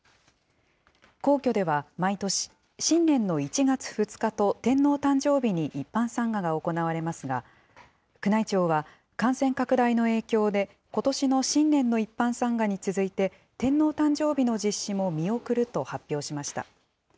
皇居では毎年、新年の１月２日と天皇誕生日に一般参賀が行われますが、宮内庁は、感染拡大の影響でことしの新年の一般参賀に続いて、天皇誕生日の実施も見送ると発表しました。